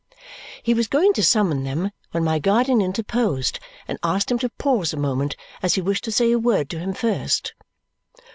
He was going to summon them when my guardian interposed and asked him to pause a moment, as he wished to say a word to him first.